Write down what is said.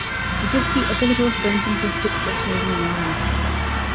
Vítězství otevřelo spojencům cestu k obsazení Milána.